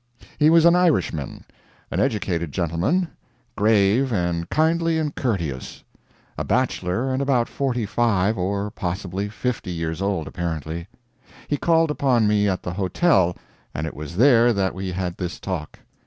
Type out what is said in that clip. He was an Irishman; an educated gentleman; grave, and kindly, and courteous; a bachelor, and about forty five or possibly fifty years old, apparently. He called upon me at the hotel, and it was there that we had this talk.